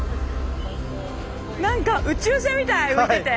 なんか宇宙船みたい浮いてて。